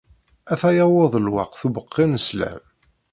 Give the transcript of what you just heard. Ata yewweḍ lweqt ubeqqi n sslam.